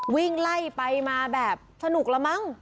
วิ่งไล่ไปมาแบบสนุกละมั้ง